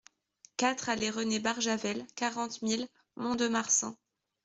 quatre allée René Barjavel, quarante mille Mont-de-Marsan